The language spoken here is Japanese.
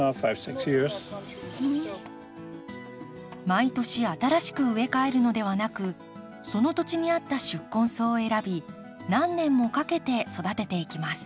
毎年新しく植え替えるのではなくその土地に合った宿根草を選び何年もかけて育てていきます。